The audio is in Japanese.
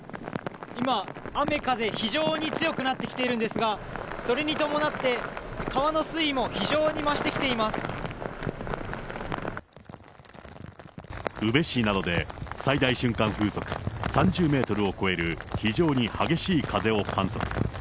今、雨風、非常に強くなってきているんですが、それに伴って、川宇部市などで、最大瞬間風速３０メートルを超える非常に激しい風を観測。